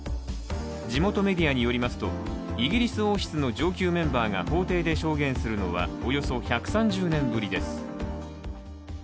地元メディアによりますとイギリス王室の上級メンバーが法廷で証言するのは世界初！